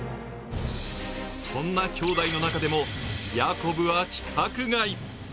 そんな兄弟の中でもヤコブは規格外。